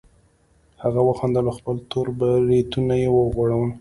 هغه وخندل او خپل تور بریتونه یې وغوړول